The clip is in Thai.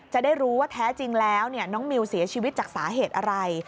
จะได้รู้ว่าแท้จริงแล้วน้องมิวเสียชีวิตจากสาเหตุอะไร